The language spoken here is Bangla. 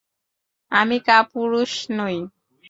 আমি কাপুরুষ নই।